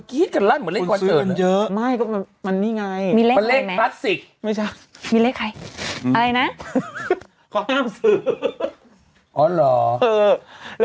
คุณสื่อมันเยอะมันนี่ไงมันเลขปรัสสิกมีเลขใครอะไรนะขอห้ามสื่อ